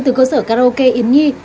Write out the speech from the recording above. từ cơ sở karaoke yến nhi